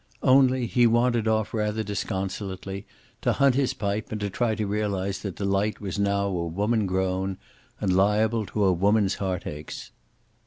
Only, he wandered off rather disconsolately to hunt his pipe and to try to realize that Delight was now a woman grown, and liable to woman's heart aches.